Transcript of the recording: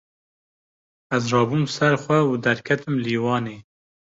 Ez rabûm ser xwe û derketim lîwanê.